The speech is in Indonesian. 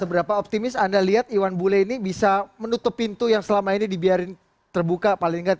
seberapa optimis anda lihat iwan bule ini bisa menutup pintu yang selama ini dibiarin terbuka paling tidak